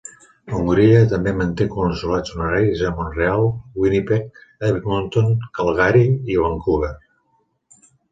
Hongria també manté Consolats Honoraris a Mont-real, Winnipeg, Edmonton, Calgary i Vancouver.